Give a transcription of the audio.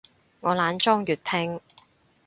我懶裝粵拼